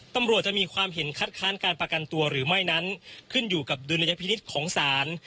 ตำรวจจะมีความเห็นคัดค้านการประกันตัวหรือไม่นั้นขึ้นอยู่กับดุลยพินิษฐ์ของศาล